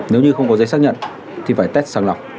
nếu như không có giấy xác nhận thì phải test sàng lọc